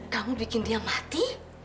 kamu bikin dia mati